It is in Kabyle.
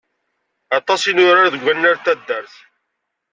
Aṭas i nurar deg wannar n taddart.